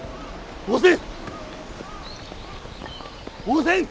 おせん！